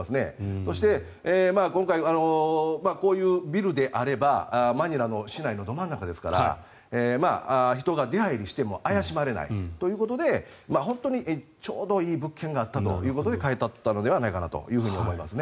そして今回、こういうビルであればマニラの市内のど真ん中ですから人が出入りしても怪しまれないということで本当にちょうどいい物件があったということで買い取ったのではないかと思いますね。